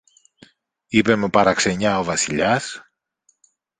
είπε με παραξενιά ο Βασιλιάς